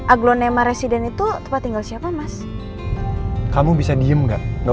aglonema resident itu tempat tinggal siapa mas kamu bisa diem enggak enggak